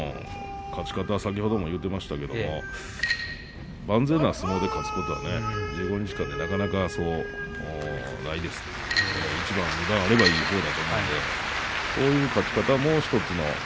勝ち方を先ほども言っていましたけれども万全な相撲で勝つことは１５日間なかなかないですけれども一番、二番あればいいほうなんでこういう勝ち方も１つ。